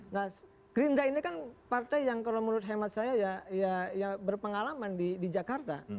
nah gerindra ini kan partai yang kalau menurut hemat saya ya berpengalaman di jakarta